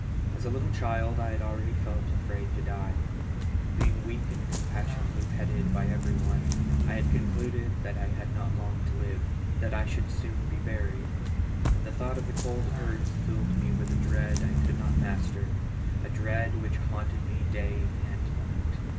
As a little child I had already felt afraid to die. Being weak and compassion = ately petted by every one, I had concluded that I had not long to live, that I should soon be buried ; and the thought of the cold earth filled me with a dread I could not master — a dread which haunted me day and night.